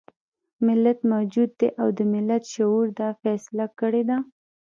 ملت موجود دی او د ملت شعور دا فيصله کړې ده.